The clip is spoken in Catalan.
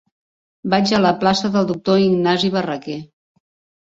Vaig a la plaça del Doctor Ignasi Barraquer.